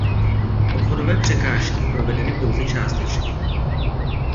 Obvodové překážky provedeny pouze částečně.